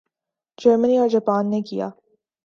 جرمنی اور جاپان نے کیا